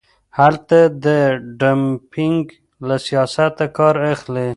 هلته د ډمپینګ له سیاسته کار اخلي.